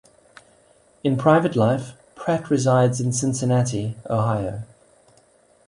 In private life, Pratt resides in Cincinnati, Ohio.